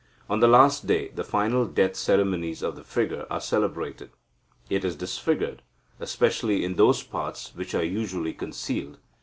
On the last day, the final death ceremonies of the figure are celebrated. It is disfigured, especially in those parts which are usually concealed.